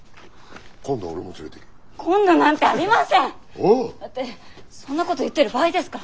おっ！ってそんなこと言ってる場合ですか？